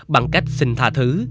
bằng cách xin tha thứ